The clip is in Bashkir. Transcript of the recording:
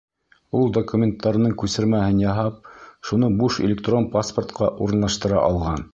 Ул документының күсермәһен яһап, шуны буш электрон паспортҡа урынлаштыра алған.